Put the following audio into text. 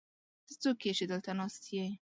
ته څوک يې، چې دلته ناست يې؟